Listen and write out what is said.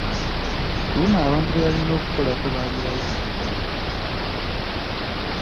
Ku luno abantu be yalina okukolako, baali bayitirivu.